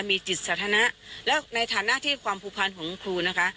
มีจิตสาธารณะแล้วในฐานะที่ความผูกพันของคุณครูนะคะ